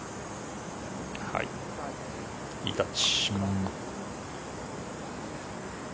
いいタッチ。